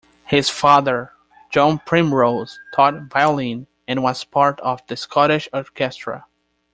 His father, John Primrose, taught violin and was part of the Scottish Orchestra.